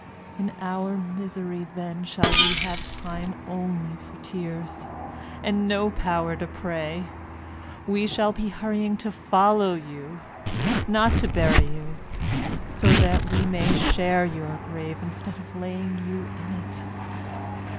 In our misery then we shall have time only for tears and no power to pray; we shall be hurrying to follow, not to bury you, so that we may share your grave instead of laying you in it.